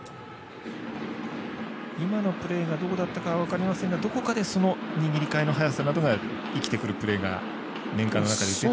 今のプレーがどうだったかは分かりませんがどこかで、握りかえの速さなどが生きてくるプレーが年間の中で。